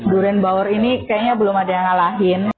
durian baur ini kayaknya belum ada yang ngalahin